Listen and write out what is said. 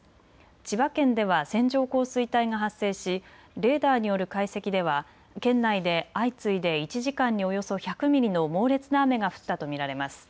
千葉県では線状降水帯が発生しレーダーによる解析では県内で相次いで１時間におよそ１００ミリの猛烈な雨が降ったと見られます。